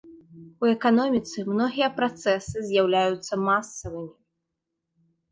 У эканоміцы многія працэсы з'яўляюцца масавымі.